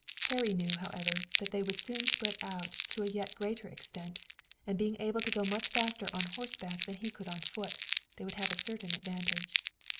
Harry knew, however, that they would soon spread out to a yet greater extent, and being able to go much faster on horseback than he could on foot, they would have a certain advantage.